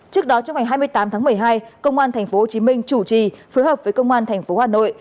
trước đó trong ngày hai mươi tám tháng một mươi hai công an thành phố hồ chí minh chủ trì phối hợp với công an thành phố hà nội